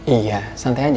iya santai aja